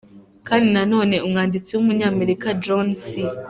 Kandi nanone umwanditsi w’Umunyamerika John C.